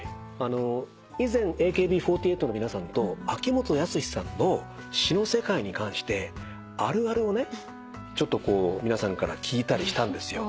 以前ＡＫＢ４８の皆さんと秋元康さんの詞の世界に関してあるあるをちょっと皆さんから聞いたりしたんですよ。